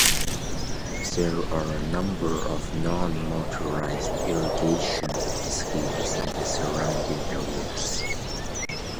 There are a number of non-motorized irrigation schemes in the surrounding areas.